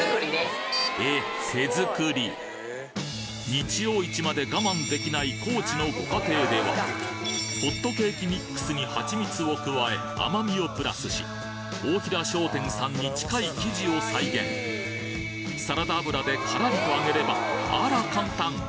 日曜市まで我慢できない高知のご家庭ではホットケーキミックスにはちみつを加え甘味をプラスし大平商店さんに近い生地を再現サラダ油でカラリと揚げればあら簡単！